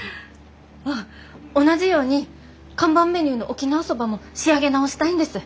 あっ同じように看板メニューの沖縄そばも仕上げ直したいんです。